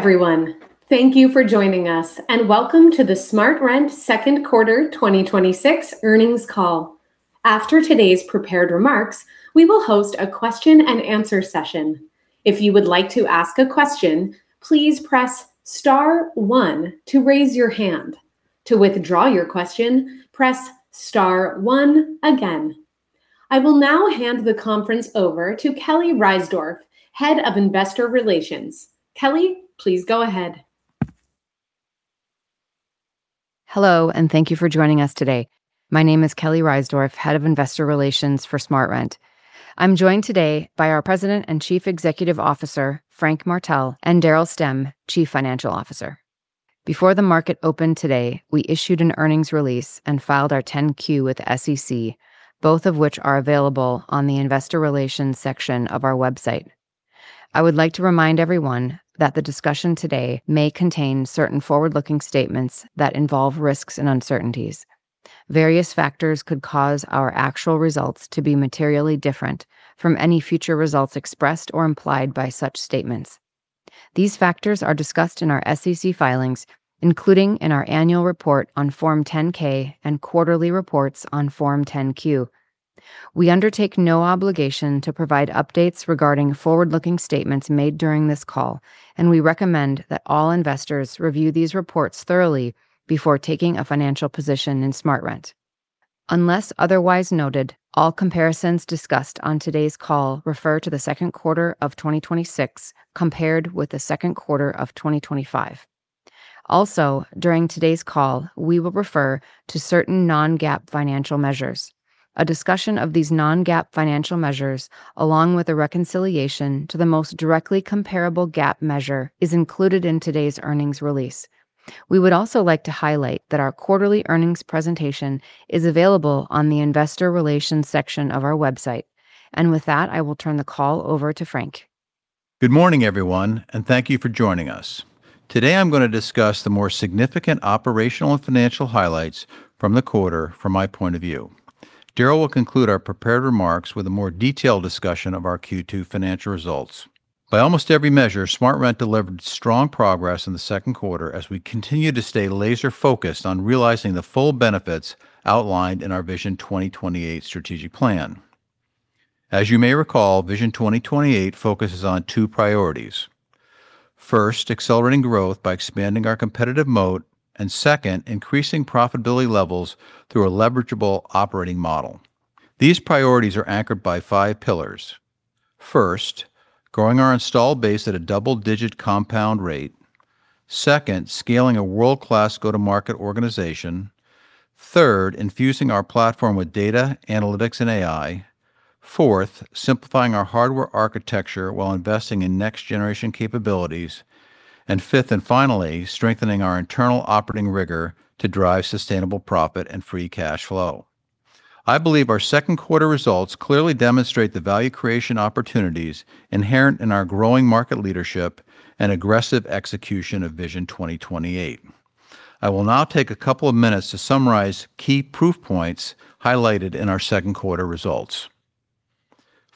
Everyone. Thank you for joining us, and welcome to the SmartRent second quarter 2026 earnings call. After today's prepared remarks, we will host a question and answer session. If you would like to ask a question, please press star one to raise your hand. To withdraw your question, press star one again. I will now hand the conference over to Kelly Reisdorf, Head of Investor Relations. Kelly, please go ahead. Hello. Thank you for joining us today. My name is Kelly Reisdorf, Head of Investor Relations for SmartRent. I'm joined today by our President and Chief Executive Officer, Frank Martell, and Daryl Stemm, Chief Financial Officer. Before the market opened today, we issued an earnings release and filed our 10-Q with the SEC, both of which are available on the investor relations section of our website. I would like to remind everyone that the discussion today may contain certain forward-looking statements that involve risks and uncertainties. Various factors could cause our actual results to be materially different from any future results expressed or implied by such statements. These factors are discussed in our SEC filings, including in our annual report on Form 10-K and quarterly reports on Form 10-Q. We undertake no obligation to provide updates regarding forward-looking statements made during this call. We recommend that all investors review these reports thoroughly before taking a financial position in SmartRent. Unless otherwise noted, all comparisons discussed on today's call refer to the second quarter of 2026, compared with the second quarter of 2025. Also, during today's call, we will refer to certain non-GAAP financial measures. A discussion of these non-GAAP financial measures, along with a reconciliation to the most directly comparable GAAP measure, is included in today's earnings release. We would also like to highlight that our quarterly earnings presentation is available on the investor relations section of our website. With that, I will turn the call over to Frank. Good morning, everyone. Thank you for joining us. Today I'm going to discuss the more significant operational and financial highlights from the quarter from my point of view. Daryl will conclude our prepared remarks with a more detailed discussion of our Q2 financial results. By almost every measure, SmartRent delivered strong progress in the second quarter as we continue to stay laser-focused on realizing the full benefits outlined in our Vision 2028 strategic plan. As you may recall, Vision 2028 focuses on two priorities. First, accelerating growth by expanding our competitive moat, and second, increasing profitability levels through a leverageable operating model. These priorities are anchored by five pillars. First, growing our installed base at a double-digit compound rate. Second, scaling a world-class go-to-market organization. Third, infusing our platform with data, analytics, and AI. Fourth, simplifying our hardware architecture while investing in next-generation capabilities. Fifth and finally, strengthening our internal operating rigor to drive sustainable profit and free cash flow. I believe our second quarter results clearly demonstrate the value creation opportunities inherent in our growing market leadership and aggressive execution of Vision 2028. I will now take a couple of minutes to summarize key proof points highlighted in our second quarter results.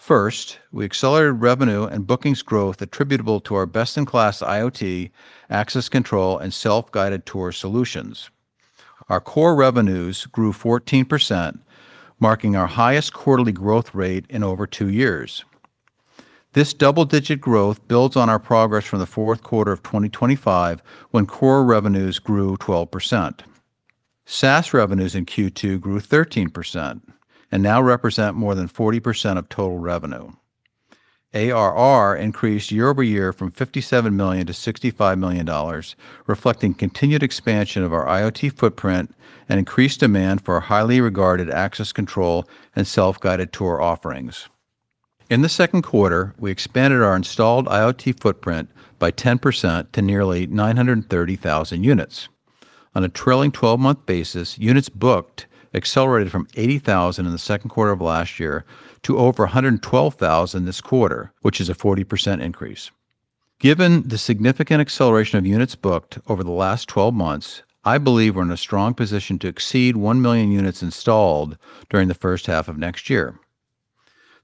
First, we accelerated revenue and bookings growth attributable to our best-in-class IoT, access control, and self-guided tour solutions. Our core revenues grew 14%, marking our highest quarterly growth rate in over two years. This double-digit growth builds on our progress from the fourth quarter of 2025, when core revenues grew 12%. SaaS revenues in Q2 grew 13% and now represent more than 40% of total revenue. ARR increased year-over-year from $57 million-$65 million, reflecting continued expansion of our IoT footprint and increased demand for our highly regarded access control and self-guided tour offerings. In the second quarter, we expanded our installed IoT footprint by 10% to nearly 930,000 units. On a trailing 12-month basis, units booked accelerated from 80,000 in the second quarter of last year to over 112,000 this quarter, which is a 40% increase. Given the significant acceleration of units booked over the last 12 months, I believe we're in a strong position to exceed 1 million units installed during the first half of next year.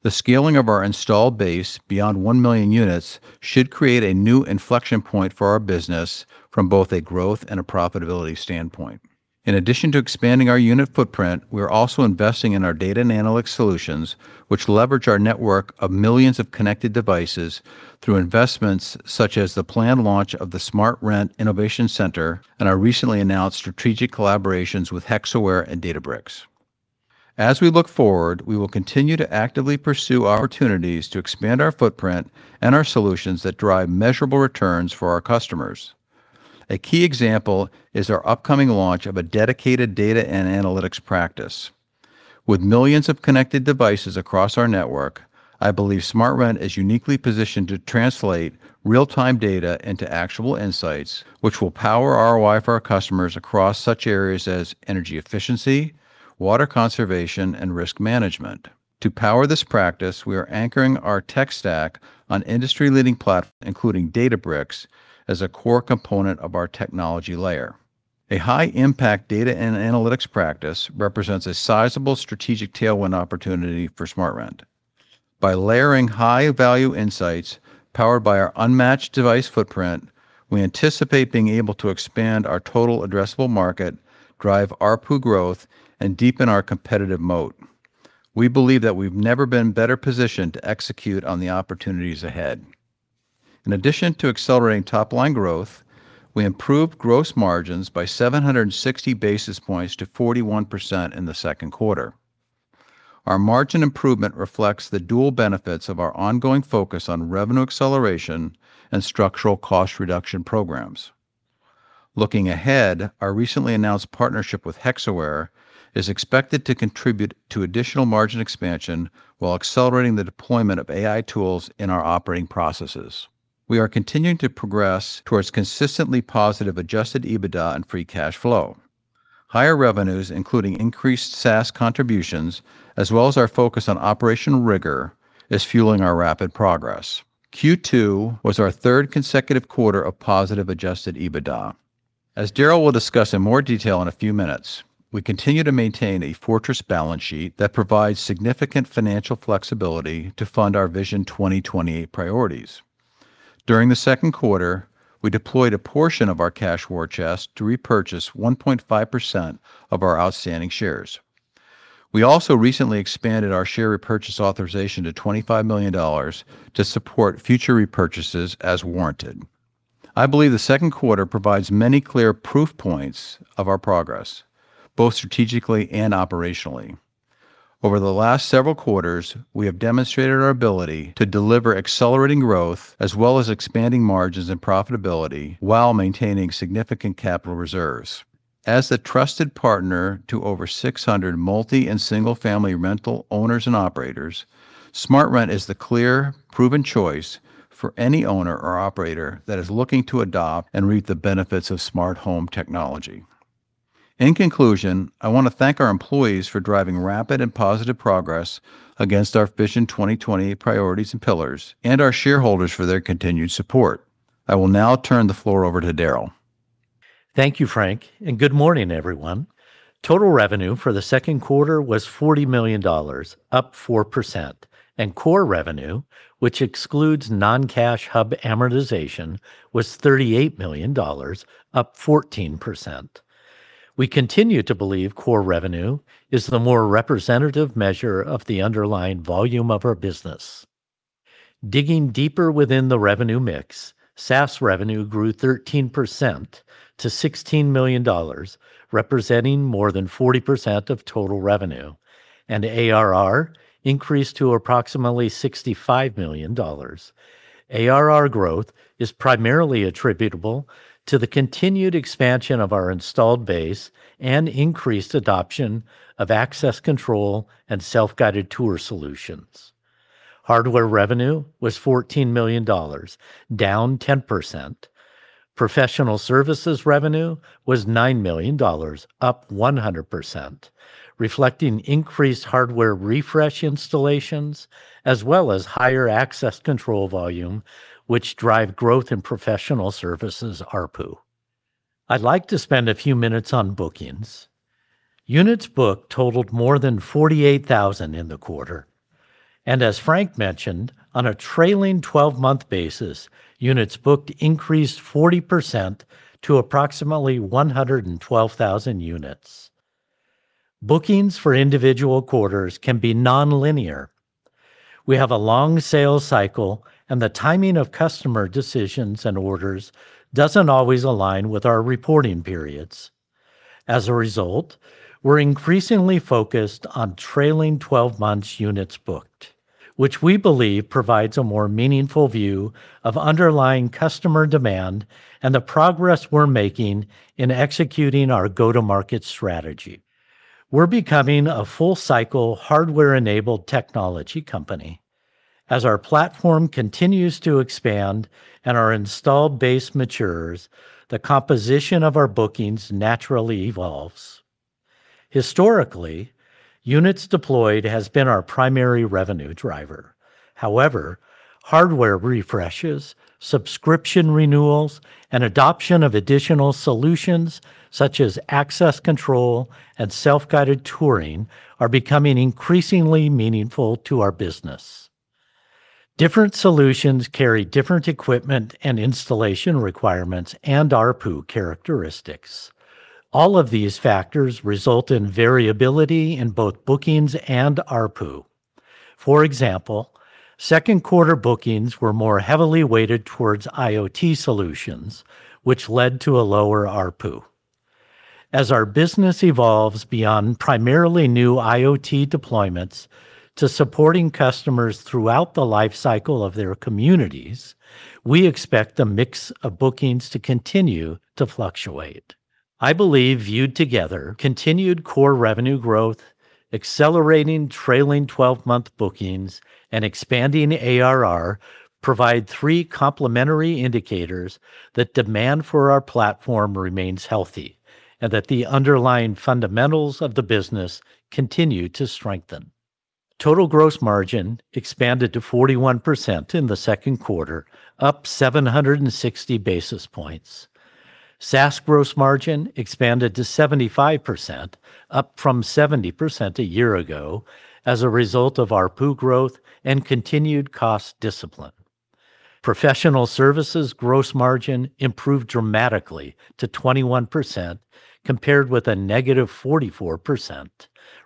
The scaling of our installed base beyond 1 million units should create a new inflection point for our business from both a growth and a profitability standpoint. In addition to expanding our unit footprint, we are also investing in our data and analytics solutions, which leverage our network of millions of connected devices through investments such as the planned launch of the SmartRent Innovation Center and our recently announced strategic collaborations with Hexaware and Databricks. As we look forward, we will continue to actively pursue opportunities to expand our footprint and our solutions that drive measurable returns for our customers. A key example is our upcoming launch of a dedicated data and analytics practice. With millions of connected devices across our network, I believe SmartRent is uniquely positioned to translate real-time data into actionable insights, which will power ROI for our customers across such areas as energy efficiency, water conservation, and risk management. To power this practice, we are anchoring our tech stack on industry-leading platform, including Databricks, as a core component of our technology layer. A high-impact data and analytics practice represents a sizable strategic tailwind opportunity for SmartRent. By layering high-value insights powered by our unmatched device footprint, we anticipate being able to expand our total addressable market, drive ARPU growth, and deepen our competitive moat. We believe that we've never been better positioned to execute on the opportunities ahead. In addition to accelerating top-line growth, we improved gross margins by 760 basis points to 41% in the second quarter. Our margin improvement reflects the dual benefits of our ongoing focus on revenue acceleration and structural cost reduction programs. Looking ahead, our recently announced partnership with Hexaware is expected to contribute to additional margin expansion while accelerating the deployment of AI tools in our operating processes. We are continuing to progress towards consistently positive adjusted EBITDA and free cash flow. Higher revenues, including increased SaaS contributions, as well as our focus on operational rigor, is fueling our rapid progress. Q2 was our third consecutive quarter of positive adjusted EBITDA. As Daryl will discuss in more detail in a few minutes, we continue to maintain a fortress balance sheet that provides significant financial flexibility to fund our Vision 2028 priorities. During the second quarter, we deployed a portion of our cash war chest to repurchase 1.5% of our outstanding shares. We also recently expanded our share repurchase authorization to $25 million to support future repurchases as warranted. I believe the second quarter provides many clear proof points of our progress, both strategically and operationally. Over the last several quarters, we have demonstrated our ability to deliver accelerating growth as well as expanding margins and profitability while maintaining significant capital reserves. As the trusted partner to over 600 multi and single-family rental owners and operators, SmartRent is the clear, proven choice for any owner or operator that is looking to adopt and reap the benefits of smart home technology. In conclusion, I want to thank our employees for driving rapid and positive progress against our Vision 2028 priorities and pillars, and our shareholders for their continued support. I will now turn the floor over to Daryl. Thank you, Frank, and good morning, everyone. Total revenue for the second quarter was $40 million, up 4%, and core revenue, which excludes non-cash hub amortization, was $38 million, up 14%. We continue to believe core revenue is the more representative measure of the underlying volume of our business. Digging deeper within the revenue mix, SaaS revenue grew 13% to $16 million, representing more than 40% of total revenue, and ARR increased to approximately $65 million. ARR growth is primarily attributable to the continued expansion of our installed base and increased adoption of access control and self-guided tour solutions. Hardware revenue was $14 million, down 10%. Professional services revenue was $9 million, up 100%, reflecting increased hardware refresh installations as well as higher access control volume, which drive growth in professional services ARPU. I'd like to spend a few minutes on bookings. Units booked totaled more than 48,000 in the quarter, and as Frank mentioned, on a trailing 12-month basis, units booked increased 40% to approximately 112,000 units. Bookings for individual quarters can be non-linear. We have a long sales cycle, and the timing of customer decisions and orders doesn't always align with our reporting periods. As a result, we're increasingly focused on trailing 12 months units booked, which we believe provides a more meaningful view of underlying customer demand and the progress we're making in executing our go-to-market strategy. We're becoming a full-cycle, hardware-enabled technology company. As our platform continues to expand and our installed base matures, the composition of our bookings naturally evolves. Historically, units deployed has been our primary revenue driver. However, hardware refreshes, subscription renewals, and adoption of additional solutions such as access control and self-guided touring are becoming increasingly meaningful to our business. Different solutions carry different equipment and installation requirements and ARPU characteristics. All of these factors result in variability in both bookings and ARPU. For example, second quarter bookings were more heavily weighted towards IoT solutions, which led to a lower ARPU. As our business evolves beyond primarily new IoT deployments to supporting customers throughout the life cycle of their communities, we expect the mix of bookings to continue to fluctuate. I believe viewed together, continued core revenue growth, accelerating trailing 12-month bookings, and expanding ARR provide three complementary indicators that demand for our platform remains healthy and that the underlying fundamentals of the business continue to strengthen. Total gross margin expanded to 41% in the second quarter, up 760 basis points. SaaS gross margin expanded to 75%, up from 70% a year ago, as a result of ARPU growth and continued cost discipline. Professional services gross margin improved dramatically to 21%, compared with a -44%,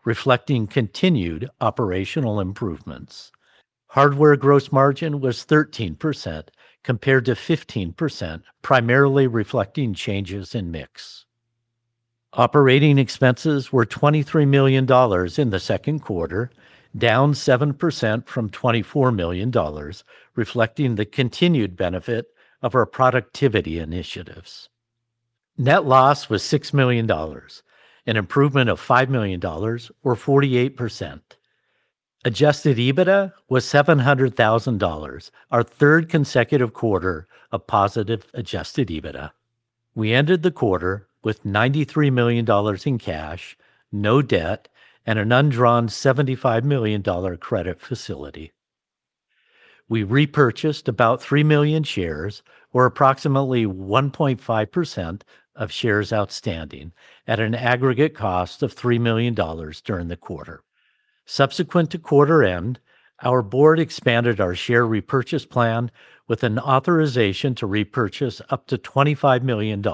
reflecting continued operational improvements. Hardware gross margin was 13% compared to 15%, primarily reflecting changes in mix. Operating expenses were $23 million in the second quarter, down 7% from $24 million, reflecting the continued benefit of our productivity initiatives. Net loss was $6 million, an improvement of $5 million, or 48%. Adjusted EBITDA was $700,000, our third consecutive quarter of positive adjusted EBITDA. We ended the quarter with $93 million in cash, no debt, and an undrawn $75 million credit facility. We repurchased about 3 million shares, or approximately 1.5% of shares outstanding at an aggregate cost of $3 million during the quarter. Subsequent to quarter end, our board expanded our share repurchase plan with an authorization to repurchase up to $25 million.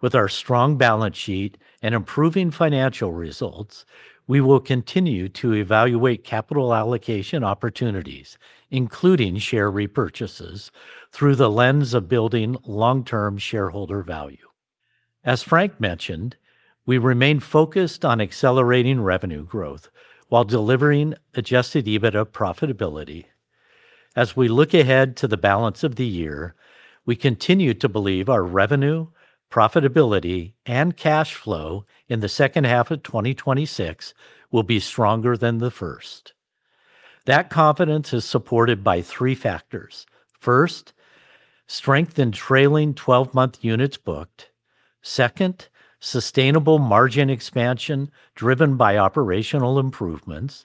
With our strong balance sheet and improving financial results, we will continue to evaluate capital allocation opportunities, including share repurchases, through the lens of building long-term shareholder value. As Frank mentioned, we remain focused on accelerating revenue growth while delivering adjusted EBITDA profitability. As we look ahead to the balance of the year, we continue to believe our revenue, profitability, and cash flow in the second half of 2026 will be stronger than the first. That confidence is supported by three factors. First, strength in trailing 12-month units booked. Second, sustainable margin expansion driven by operational improvements.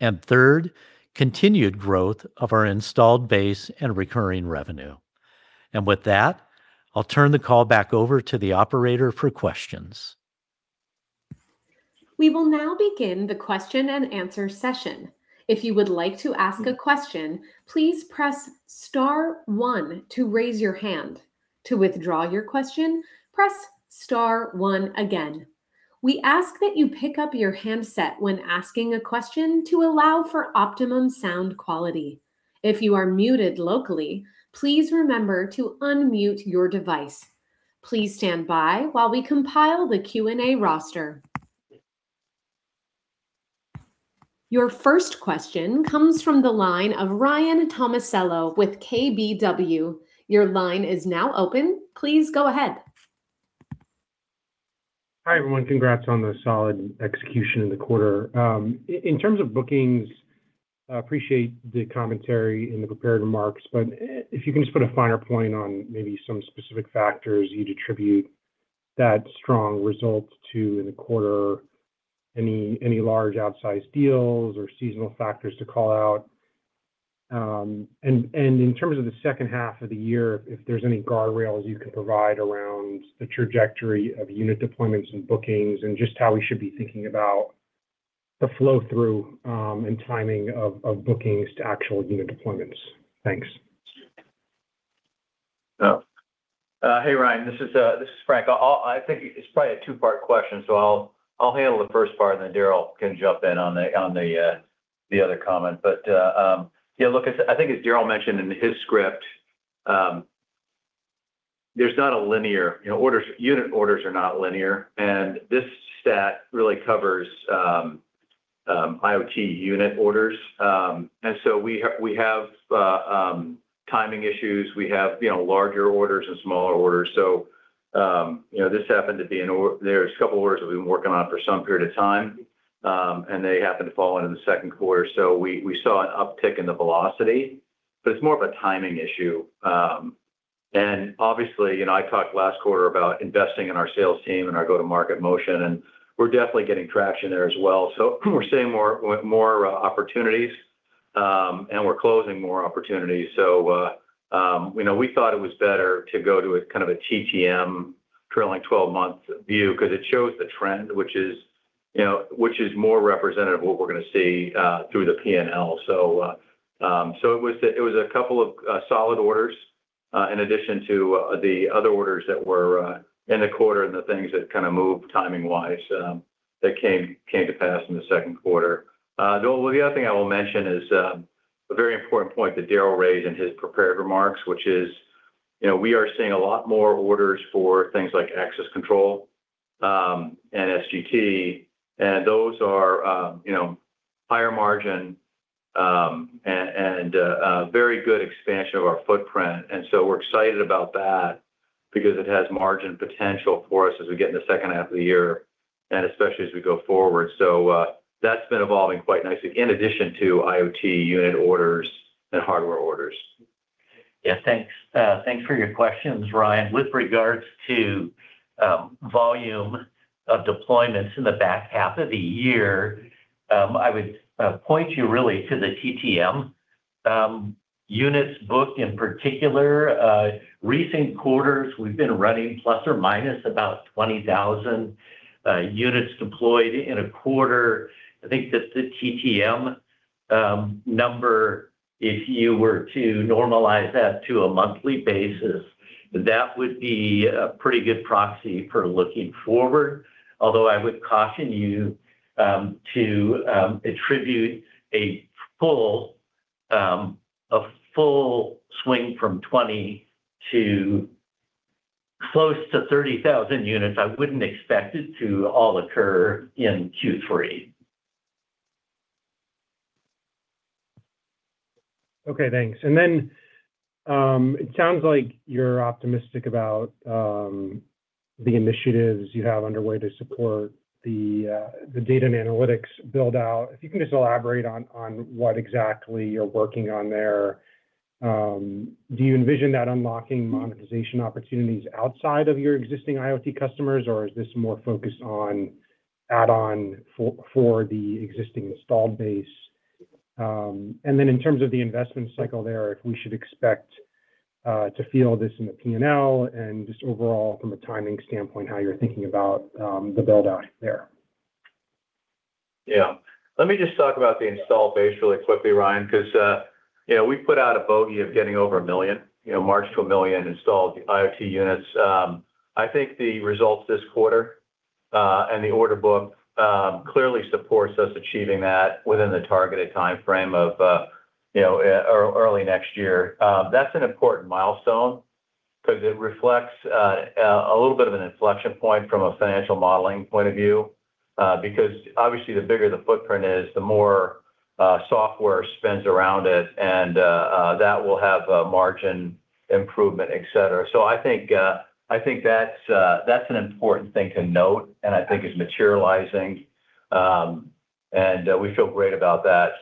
Third, continued growth of our installed base and recurring revenue. With that, I'll turn the call back over to the operator for questions. We will now begin the question and answer session. If you would like to ask a question, please press star one to raise your hand. To withdraw your question, press star one again. We ask that you pick up your handset when asking a question to allow for optimum sound quality. If you are muted locally, please remember to unmute your device. Please stand by while we compile the Q&A roster. Your first question comes from the line of Ryan Tomasello with KBW. Your line is now open. Please go ahead. Hi, everyone. Congrats on the solid execution in the quarter. In terms of bookings, I appreciate the commentary in the prepared remarks, if you can just put a finer point on maybe some specific factors you'd attribute that strong result to in the quarter, any large outsized deals or seasonal factors to call out. In terms of the second half of the year, if there's any guardrails you can provide around the trajectory of unit deployments and bookings and just how we should be thinking about the flow-through and timing of bookings to actual unit deployments. Thanks. Hey, Ryan, this is Frank. I think it's probably a two-part question, I'll handle the first part, Daryl can jump in on the other comment. Look, I think as Daryl mentioned in his script, unit orders are not linear, this stat really covers IoT unit orders. We have timing issues. We have larger orders and smaller orders. There's a couple orders that we've been working on for some period of time, they happen to fall into the second quarter. We saw an uptick in the velocity, it's more of a timing issue. Obviously, I talked last quarter about investing in our sales team and our go-to-market motion, we're definitely getting traction there as well. We're seeing more opportunities, we're closing more opportunities. We thought it was better to go to a TTM, trailing 12 months view, because it shows the trend, which is more representative of what we're going to see through the P&L. It was a couple of solid orders in addition to the other orders that were in the quarter and the things that moved timing-wise that came to pass in the second quarter. The other thing I will mention is a very important point that Daryl raised in his prepared remarks, which is we are seeing a lot more orders for things like access control and SGT, those are higher margin and a very good expansion of our footprint. We're excited about that because it has margin potential for us as we get in the second half of the year, especially as we go forward. That's been evolving quite nicely in addition to IoT unit orders hardware orders. Yeah, thanks for your questions, Ryan. With regards to volume of deployments in the back half of the year, I would point you really to the TTM units booked in particular. Recent quarters, we've been running plus or minus about 20,000 units deployed in a quarter. I think that the TTM number, if you were to normalize that to a monthly basis, that would be a pretty good proxy for looking forward. Although I would caution you to attribute a full swing from 20,000 to close to 30,000 units. I wouldn't expect it to all occur in Q3. Okay, thanks. It sounds like you're optimistic about the initiatives you have underway to support the data and analytics build-out. If you can just elaborate on what exactly you're working on there. Do you envision that unlocking monetization opportunities outside of your existing IoT customers, or is this more focused on add-on for the existing installed base? In terms of the investment cycle there, if we should expect to feel this in the P&L and just overall from a timing standpoint, how you're thinking about the build-out there. Yeah. Let me just talk about the installed base really quickly, Ryan, because we put out a bogey of getting over 1 million, march to 1 million installed IoT units. I think the results this quarter, and the order book, clearly supports us achieving that within the targeted timeframe of early next year. That's an important milestone because it reflects a little bit of an inflection point from a financial modeling point of view, because obviously the bigger the footprint is, the more software spins around it, and that will have a margin improvement, et cetera. I think that's an important thing to note, and I think is materializing, and we feel great about that.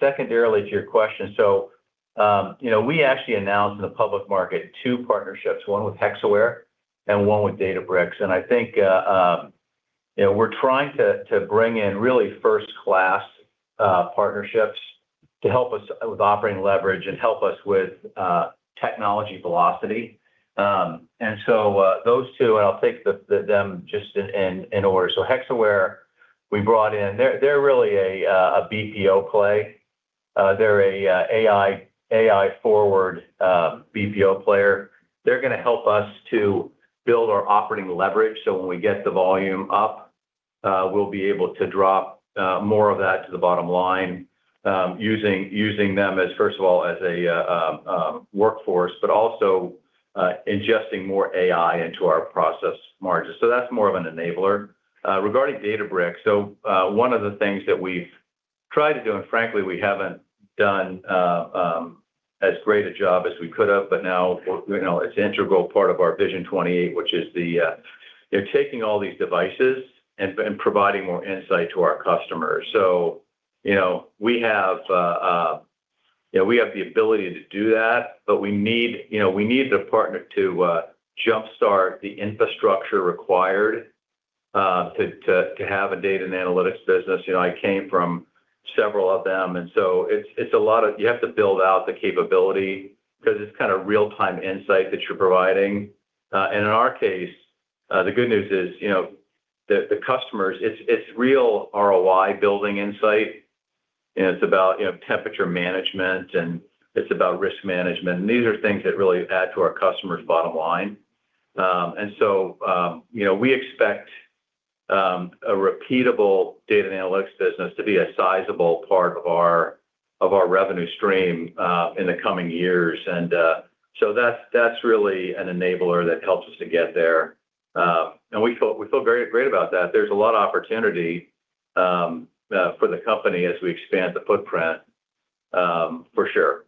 Secondarily to your question, we actually announced in the public market two partnerships, one with Hexaware and one with Databricks. I think we're trying to bring in really first-class partnerships to help us with operating leverage and help us with technology velocity. Those two, and I'll take them just in order. Hexaware, we brought in. They're really a BPO play. They're an AI forward BPO player. They're going to help us to build our operating leverage, so when we get the volume up, we'll be able to drop more of that to the bottom line, using them as, first of all, as a workforce, but also ingesting more AI into our process margins. That's more of an enabler. Regarding Databricks, one of the things that we've tried to do, and frankly we haven't done as great a job as we could have, but now it's integral part of our Vision 2028, which is the taking all these devices and providing more insight to our customers. We have the ability to do that, but we need the partner to jumpstart the infrastructure required to have a data and analytics business. I came from several of them, you have to build out the capability because it's kind of real-time insight that you're providing. In our case, the good news is, the customers, it's real ROI building insight, and it's about temperature management, and it's about risk management. These are things that really add to our customers' bottom line. We expect a repeatable data and analytics business to be a sizable part of our revenue stream in the coming years. That's really an enabler that helps us to get there. We feel great about that. There's a lot of opportunity for the company as we expand the footprint, for sure.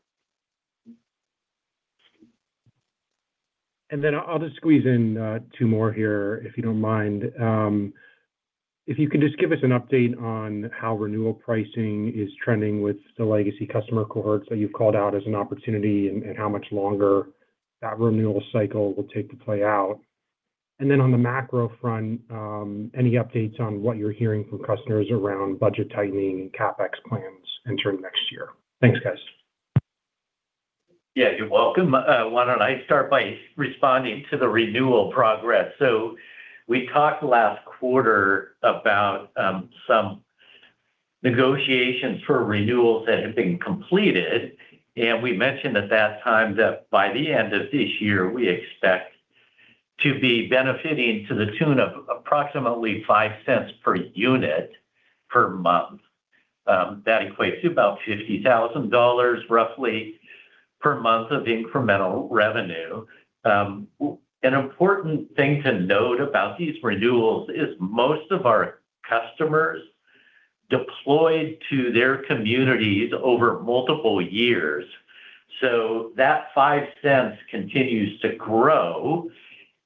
I'll just squeeze in two more here, if you don't mind. If you can just give us an update on how renewal pricing is trending with the legacy customer cohorts that you've called out as an opportunity, and how much longer that renewal cycle will take to play out. On the macro front, any updates on what you're hearing from customers around budget tightening and CapEx plans entering next year? Thanks, guys. Yeah, you're welcome. Why don't I start by responding to the renewal progress? We talked last quarter about some negotiations for renewals that have been completed, and we mentioned at that time that by the end of this year, we expect to be benefiting to the tune of approximately $0.05 per unit per month. That equates to about $50,000 roughly per month of incremental revenue. An important thing to note about these renewals is most of our customers deployed to their communities over multiple years. That $0.05 continues to grow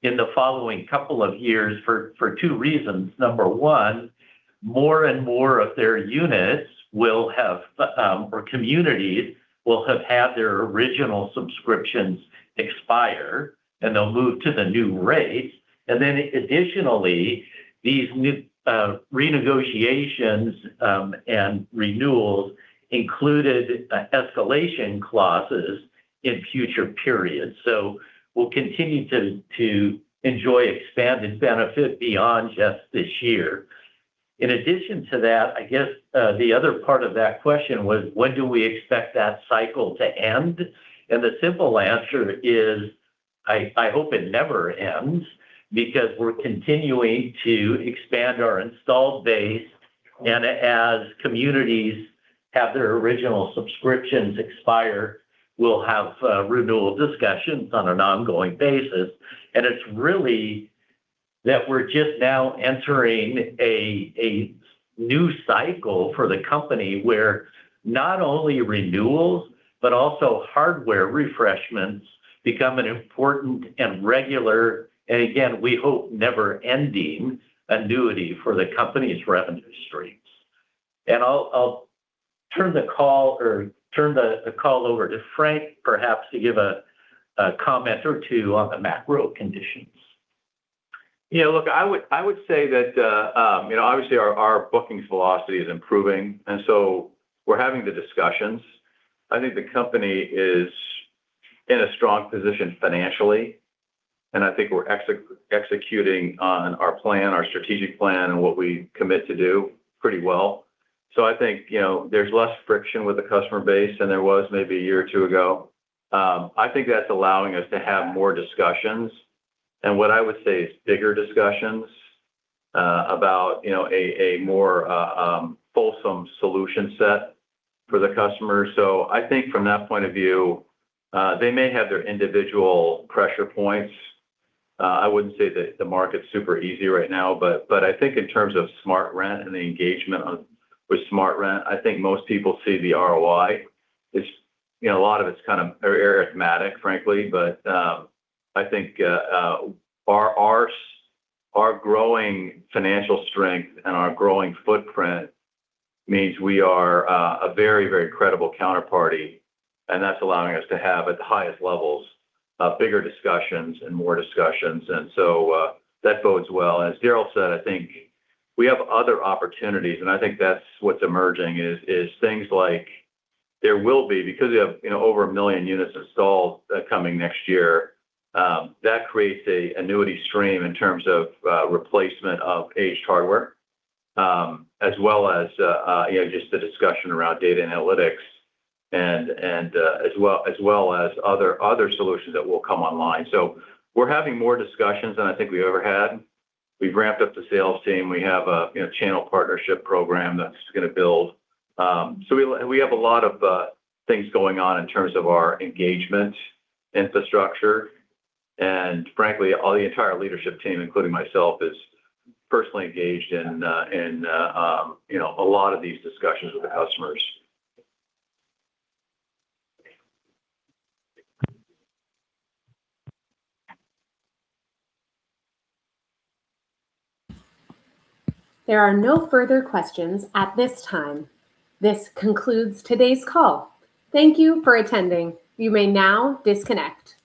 in the following couple of years, for two reasons. Number one, more and more of their units or communities will have had their original subscriptions expire, and they'll move to the new rates. Additionally, these new renegotiations and renewals included escalation clauses in future periods. We'll continue to enjoy expanded benefit beyond just this year. In addition to that, I guess the other part of that question was, when do we expect that cycle to end? The simple answer is, I hope it never ends, because we're continuing to expand our installed base. As communities have their original subscriptions expire, we'll have renewal discussions on an ongoing basis. It's really that we're just now entering a new cycle for the company, where not only renewals, but also hardware refreshments become an important and regular, and again, we hope never-ending, annuity for the company's revenue streams. I'll turn the call over to Frank, perhaps, to give a comment or two on the macro conditions. Look, I would say that obviously our bookings velocity is improving, we're having the discussions. I think the company is in a strong position financially, and I think we're executing on our plan, our strategic plan, and what we commit to do pretty well. I think there's less friction with the customer base than there was maybe a year or two ago. I think that's allowing us to have more discussions, and what I would say is bigger discussions about a more fulsome solution set for the customer. I think from that point of view, they may have their individual pressure points. I wouldn't say that the market's super easy right now, I think in terms of SmartRent and the engagement with SmartRent, I think most people see the ROI. A lot of it's kind of arithmetic, frankly. I think our growing financial strength and our growing footprint means we are a very credible counterparty, and that's allowing us to have, at the highest levels, bigger discussions and more discussions. That bodes well. As Daryl said, I think we have other opportunities, and I think that's what's emerging is things like there will be, because we have over 1 million units installed coming next year, that creates a annuity stream in terms of replacement of aged hardware, as well as just the discussion around data analytics and as well as other solutions that will come online. We're having more discussions than I think we've ever had. We've ramped up the sales team. We have a channel partnership program that's going to build. We have a lot of things going on in terms of our engagement infrastructure. Frankly, all the entire leadership team, including myself, is personally engaged in a lot of these discussions with the customers. There are no further questions at this time. This concludes today's call. Thank you for attending. You may now disconnect.